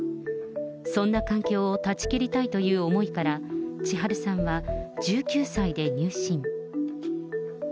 そんな環境を断ち切りたいという思いから、ちはるさんは１９歳で入信。